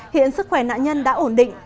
hiện sức khỏe nạn nhân đã ổn định